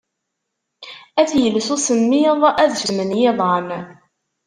Ad t-yels usemmiḍ, ad susmen yiḍan